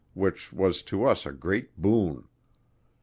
which was to us a great boon.